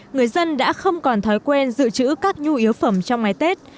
người dân đã không còn thói quen dự trữ các nhu yếu phẩm trong ngày tết